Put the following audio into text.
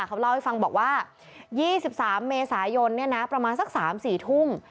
เขาเล่าให้ฟังบอกว่า๒๓เมษายนประมาณสัก๓๔ทุ่ม